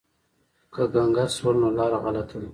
که ګنګس شول نو لاره غلطه ده.